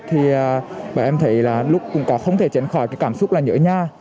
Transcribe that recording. thì bọn em thấy là lúc cũng có không thể chẳng khỏi cái cảm xúc là nhỡ nha